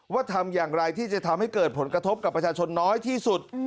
ทำอย่างไรที่จะทำให้เกิดผลกระทบกับประชาชนน้อยที่สุด